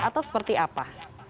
atau seperti apa